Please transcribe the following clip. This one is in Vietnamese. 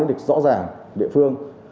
địch rõ ràng địa phương